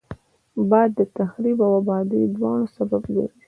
باد د تخریب او آبادي دواړو سبب ګرځي